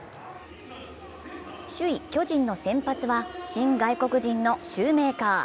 首位・巨人の先発は新外国人のシューメーカー。